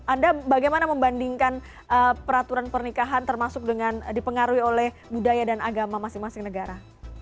anda bagaimana membandingkan peraturan pernikahan termasuk dengan dipengaruhi oleh budaya dan agama masing masing negara